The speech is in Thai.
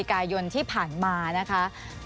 มีความรู้สึกว่ามีความรู้สึกว่า